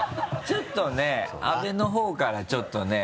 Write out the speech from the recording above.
ちょっとね阿部のほうからちょっとね。